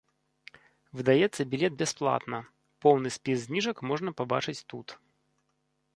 Выдаецца білет бясплатна, поўны спіс зніжак можна пабачыць тут.